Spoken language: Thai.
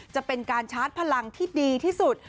จะเป็นการชาร์จพลังที่ดีที่สุด